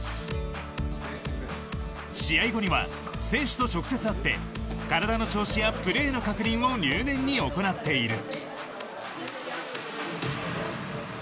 試合後には選手と直接会って体の調子やプレーの確認を入念に行っている。